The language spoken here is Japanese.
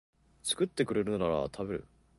作ってくれるなら食べる